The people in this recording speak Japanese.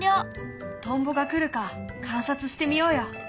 トンボが来るか観察してみようよ。